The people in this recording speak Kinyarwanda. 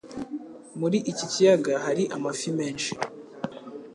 Muri iki kiyaga hari amafi menshi.